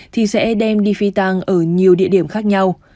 thì sẽ đem đi phi tàng ở nhiều địa điểm khác nhau